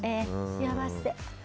幸せ。